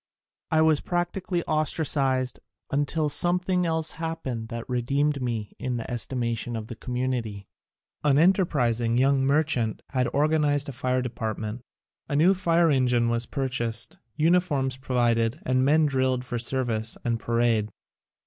I was practically ostracised until something else happened which re deemed me in the estimation of the com munity. An enterprising young merchant had or ganized a fire department. A new fire en gine was purchased, uniforms provided and the men drilled for service and parade.